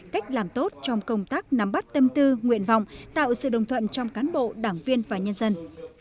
cách làm tốt trong công tác nắm bắt tâm tư nguyện vọng tạo sự đồng thuận trong cán bộ đảng viên và nhân dân